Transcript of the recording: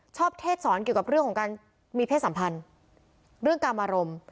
เทศสอนเกี่ยวกับเรื่องของการมีเพศสัมพันธ์เรื่องกรรมอารมณ์